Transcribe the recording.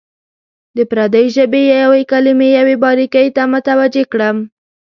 د پردۍ ژبې یوې کلمې یوې باریکۍ ته متوجه کړم.